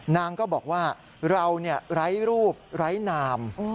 นางก็บอกว่าเราไร้รูปไร้นาม